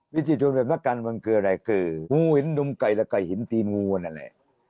วิจิโจรแบบนักการเมืองมันคืออะไรคืองูเห็นดุมไก่และไก่หินตีงูนั่นแหละ